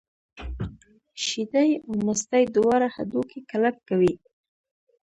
شیدې او مستې دواړه هډوکي کلک کوي.